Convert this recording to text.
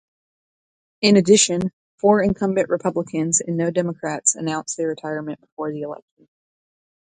In addition, four incumbent Republicans and no Democrats announced their retirement before the election.